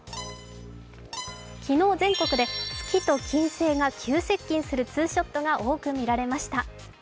昨日、全国で月と金星が急接近するツーショットが多く見られました。